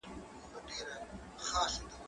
زه اوږد وخت تکړښت کوم،